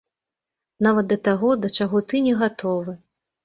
Нават да таго, да чаго ты не гатовы!